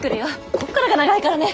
こっからが長いからね！